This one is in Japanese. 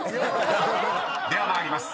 ［では参ります。